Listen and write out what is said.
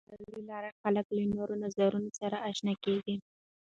د مېلو له لاري خلک له نوو نظرونو سره آشنا کيږي.